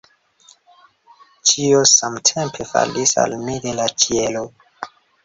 Ĉio samtempe falis al mi de la ĉielo.